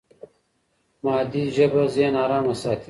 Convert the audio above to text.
مادي ژبه ذهن ارام ساتي.